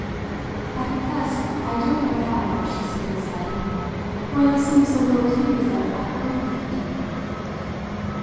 "I confess I don't make out," she simply said, "while you seem so little pleased that I agree with you."